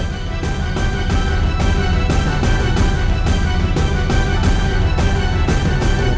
tunggu tunggu tunggu